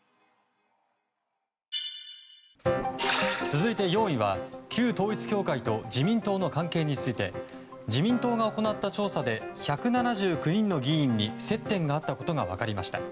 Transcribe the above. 続いて４位は旧統一教会と自民党の関係について自民党が行った調査で１７９人の議員に接点があったことが分かりました。